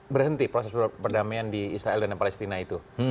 berhenti proses perdamaian di israel dan palestina itu